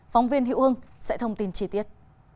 phóng viên hữu hưng sẽ thông tin chi tiết